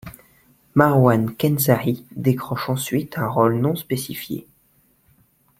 Marwan Kenzari décroche ensuite un rôle non spécifié.